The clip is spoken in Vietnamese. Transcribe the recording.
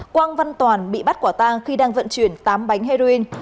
quang văn toàn bị bắt quả tang khi đang vận chuyển tám bánh heroin